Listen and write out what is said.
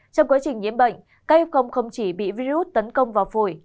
trong quá trình nhiễm bệnh các hiệp công không chỉ bị virus tấn công vào phổi